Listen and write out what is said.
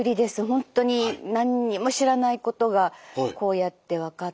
ほんとに何にも知らないことがこうやって分かっていって。